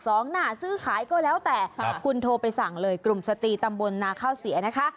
หน้าซื้อขายก็แล้วแต่ครับคุณโทรไปสั่งเลยกลุ่มสตรีตำบลนาข้าวเสียนะคะ